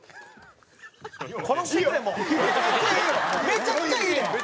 めちゃくちゃいいで。